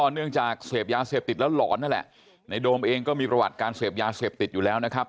เนื่องจากเสพยาเสพติดแล้วหลอนนั่นแหละในโดมเองก็มีประวัติการเสพยาเสพติดอยู่แล้วนะครับ